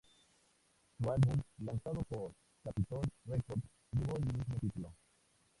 Su álbum lanzado por Capitol Records, llevo el mismo título.